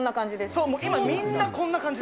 そう、今みんなこんな感じ。